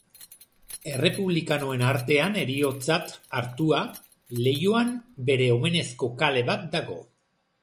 Errepublikanoen artean heroitzat hartua, Leioan bere omenezko kale bat dago.